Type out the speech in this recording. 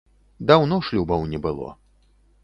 Даўно шлюбаў не было.